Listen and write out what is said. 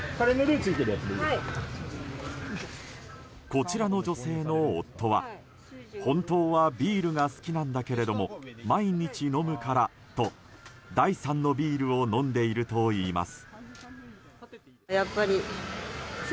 こちらの女性の夫は、本当はビールが好きなんだけれども毎日飲むからと、第３のビールを飲んでいるといいます。